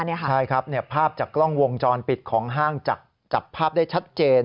ใช่ครับภาพจากกล้องวงจรปิดของห้างจับภาพได้ชัดเจน